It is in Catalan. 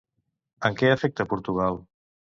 En què afecta Portugal?